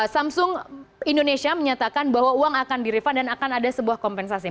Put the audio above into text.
samsung indonesia menyatakan bahwa uang akan di refund dan akan ada sebuah kompensasi